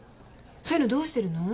そういうのどうしてるの？